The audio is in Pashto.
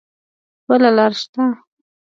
بله لار شته؟